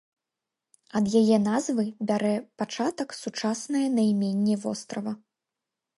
Ад яе назвы бярэ пачатак сучаснае найменне вострава.